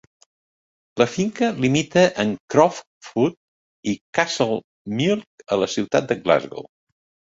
La finca limita amb Croftfoot i Castlemilk a la ciutat de Glasgow.